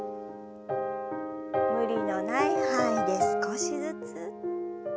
無理のない範囲で少しずつ。